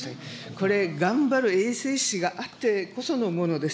これ、頑張る衛生士があってこそのものです。